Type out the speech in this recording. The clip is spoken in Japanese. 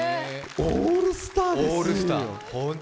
オールスターですよ。